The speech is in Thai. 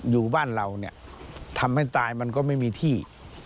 อยู่บ้านเราเนี่ยทำให้ตายมันก็ไม่มีที่